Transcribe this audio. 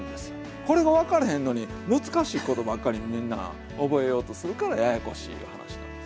これが分かれへんのに難しいことばっかりみんな覚えようとするからややこしいいう話なんです。